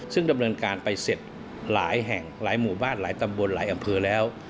ซึ่งดำเนินการไปเสร็จหลายแห่งหลายหมู่บ้านหลายตำบลหลายอำเภอแล้ว